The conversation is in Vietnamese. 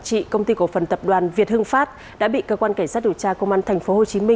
trị công ty cổ phần tập đoàn việt hưng pháp đã bị cơ quan cảnh sát điều tra công an tp hcm